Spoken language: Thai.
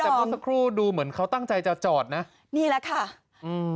แต่เมื่อสักครู่ดูเหมือนเขาตั้งใจจะจอดนะนี่แหละค่ะอืม